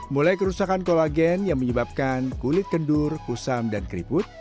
mulai kerusakan kolagen yang menyebabkan kulit kendur kusam dan keriput